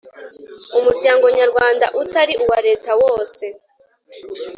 Umuryango Nyarwanda utari uwa Leta wose